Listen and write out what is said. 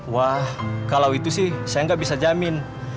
wah kalau itu sih saya nggak bisa jamin